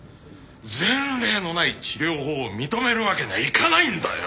前例のない治療法を認めるわけにはいかないんだよ！